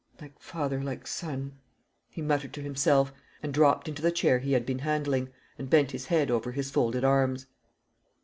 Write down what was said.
Like father, like son!" he muttered to himself, and dropped into the chair he had been handling, and bent his head over his folded arms.